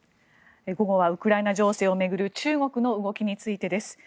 午後はウクライナ情勢を巡る中国の動きについてです。